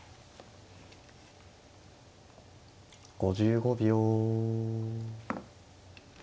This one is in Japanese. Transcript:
５５秒。